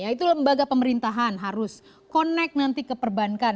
yaitu lembaga pemerintahan harus connect nanti ke perbankan